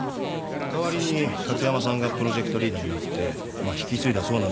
代わりに加津山さんがプロジェクトリーダーになってまっ引き継いだそうなんですが。